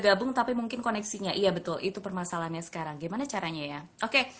gabung tapi mungkin koneksinya iya betul itu permasalahannya sekarang gimana caranya ya oke